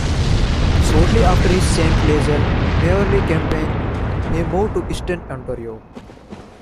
Shortly after his Saint-Lazare mayoralty campaign, he moved to Eastern Ontario.